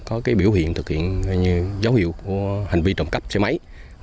có cái biểu hiện thực hiện như dấu hiệu của hành vi trộm cắp xe máy